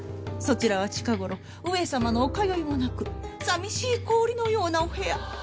そちらは近頃上様のお通いもなく寂しい氷のようなお部屋。